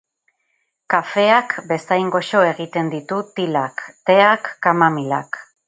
Kafeak bezain goxo egiten ditu tilak, teak, kamamilak.